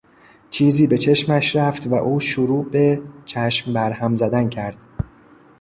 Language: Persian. چیزی به چشمش رفت و او شروع به چشم بر هم زدن کرد.